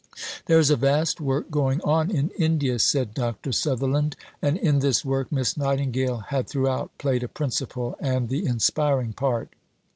"There is a vast work going on in India," said Dr. Sutherland; and in this work Miss Nightingale had throughout played a principal, and the inspiring, part.